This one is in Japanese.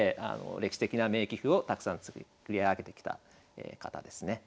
歴史的な名棋譜をたくさん作り上げてきた方ですね。